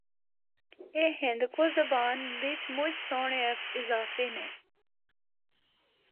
اے ہندکو زبان بچ مُچ سہنڑے اضافے نے۔